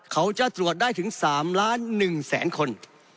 เขาจะตรวจได้ถึง๓ล้าน๑แสนคน